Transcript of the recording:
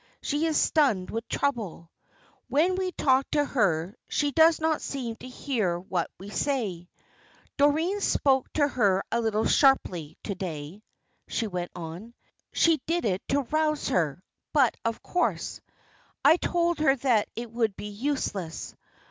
She is stunned with trouble. When we talk to her, she does not seem to hear what we say. Doreen spoke to her a little sharply, to day," she went on. "She did it to rouse her; but, of course, I told her that it would be useless.